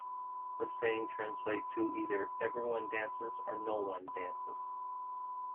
The saying translates to: Either Everyone Dances, or No One Dances!